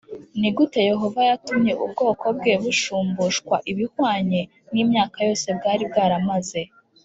Ni gute Yehova yatumye ubwoko bwe bushumbushwa ibihwanye n imyaka yose bwari bwaramaze